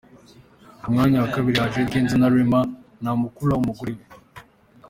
Ku mwanya wa kabiri hajeho Eddy Kenzo na Rema Namakula umugore we.